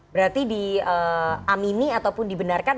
berarti di amini ataupun di benarkan